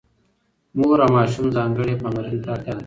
مور او ماشوم ځانګړې پاملرنې ته اړتيا لري.